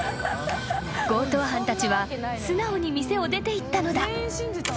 ［強盗犯たちは素直に店を出ていったのだ］